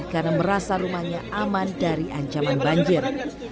karena merasa rumahnya aman dari ancaman banjir